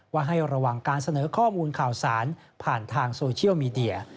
ให้ระวังการเสนอข้อมูลข่าวสารผ่านทางโซเชียลมีเดีย